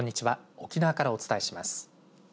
沖縄からお伝えします。